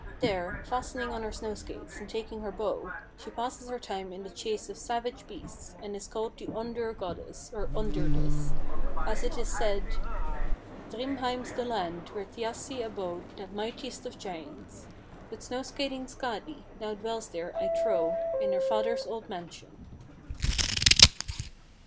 There, fastening on her snow skates and taking her bow, she passes her time in the chase of savage beasts, and is called the Ondur goddess, or Ondurdis. As it is said "'Thrymheim's the land Where Thjassi abode That mightiest of giants. But snow skating Skadi Now dwells there, I trow, In her father's old mansion.'"